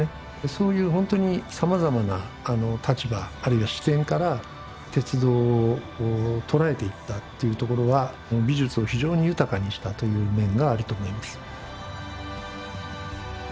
そういうほんとにさまざまな立場あるいは視点から鉄道を捉えていったというところは美術を非常に豊かにしたという面があると思います。